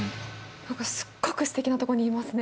何かすっごくすてきなとこにいますね。